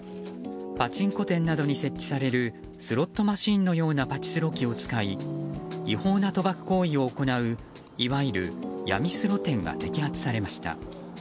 パチンコ店などに設置されるスロットマシンのようなパチスロ機を使い違法な賭博行為を行ういわゆる闇スロ店が摘発されました。